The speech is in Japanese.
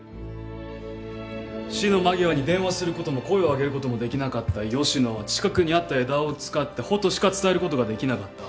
死の間際に電話することも声を上げることもできなかった吉野は近くにあった枝を使って「ほ」としか伝えることができなかった。